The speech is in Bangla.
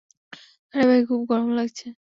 আরে ভাই খুব গরম লাগছে।